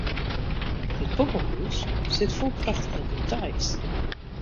Dit poppehûs sit fol prachtige details.